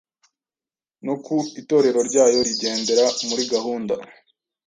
no ku Itorero ryayo rigendera muri gahunda.